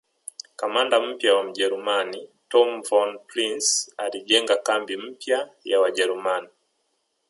Kamanda mpya Mjerumani Tom Von Prince alijenga kambi mpya ya Wajerumani